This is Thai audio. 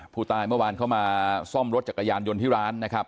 ผู้ตายเมื่อวานเข้ามาซ่อมรถจักรยานยนต์ที่ร้านนะครับ